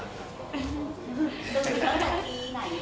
วันนี้ได้เลย